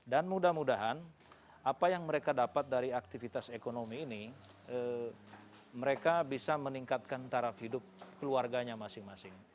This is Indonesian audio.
dan mudah mudahan apa yang mereka dapat dari aktivitas ekonomi ini mereka bisa meningkatkan taraf hidup keluarganya masing masing